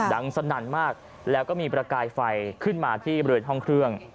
สนั่นมากแล้วก็มีประกายไฟขึ้นมาที่บริเวณห้องเครื่อง